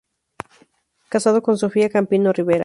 Casado con Sofía Campino Rivera.